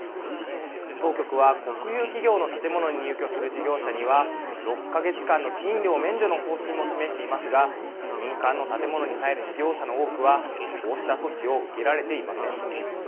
当局は国有企業の建物に入居する事業者には６か月間の賃料免除の方針も示していますが民間の建物に入る事業者の多くはこうした措置を受けられていません。